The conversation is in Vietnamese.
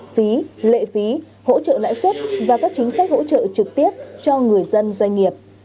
phí lệ phí hỗ trợ lãi suất và các chính sách hỗ trợ trực tiếp cho người dân doanh nghiệp